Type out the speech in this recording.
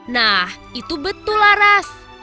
nah itu betul laras